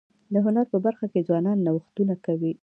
د هنر په برخه کي ځوانان نوښتونه کوي.